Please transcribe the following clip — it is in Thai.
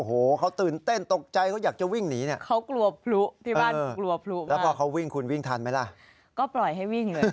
โอ้โหเค้าตื่นเต้นตกใจเค้าอยากจะวิ่งหนีนี่